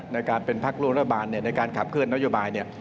ในการเป็นพักภันธาบาลในการข้าบเคลื่อนโยบาย